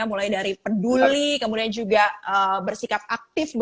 mulai dari peduli kemudian juga bersikap aktif